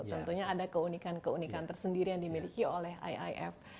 tentunya ada keunikan keunikan tersendiri yang dimiliki oleh iif